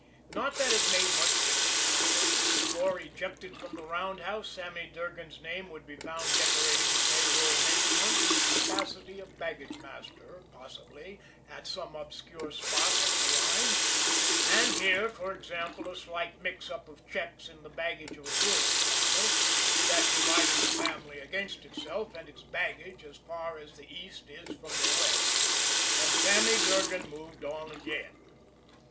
Not that it made much difference, however; for, ejected from the roundhouse, Sammy Durgan's name would be found decorating the pay roll next month in the capacity of baggage master, possibly, at some obscure spot up the line; and here, for example, a slight mix up of checks in the baggage of a tourist family, that divided the family against itself and its baggage as far as the East is from the West and Sammy Durgan moved on again.